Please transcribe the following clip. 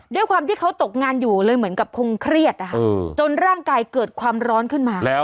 ด้วยความที่เขาตกงานอยู่เลยเหมือนกับคงเครียดนะคะจนร่างกายเกิดความร้อนขึ้นมา